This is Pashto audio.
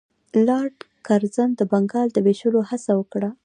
لارډ کرزن د بنګال د ویشلو هڅه وکړه.